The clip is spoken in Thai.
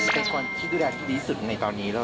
เป็นคนที่ดูแลดีสุดในตอนนี้หรอ